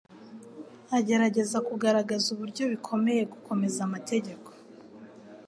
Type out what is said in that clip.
agerageza kugaragaza uburyo bikomeye gukomeza amategeko.